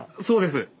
そうです。